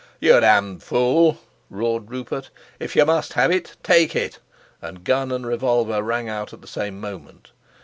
"You damned fool!" roared Rupert, "if you must have it, take it," and gun and revolver rang out at the same moment.